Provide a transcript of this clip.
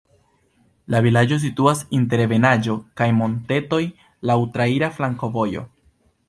La vilaĝo situas inter ebenaĵo kaj montetoj, laŭ traira flankovojo.